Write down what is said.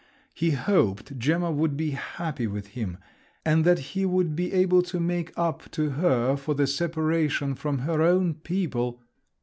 He hoped Gemma would be happy with him, and that he would be able to make up to her for the separation from her own people!